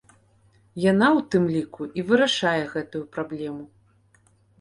Яна, у тым ліку, і вырашае гэту праблему.